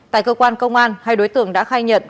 tại cơ quan công an hai đối tượng đã khai nhận